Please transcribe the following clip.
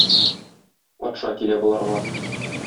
Патша килә боларга.